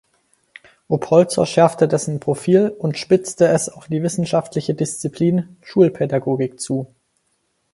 Oppolzer schärfte dessen Profil und spitzte es auf die wissenschaftliche Disziplin „Schulpädagogik“ zu.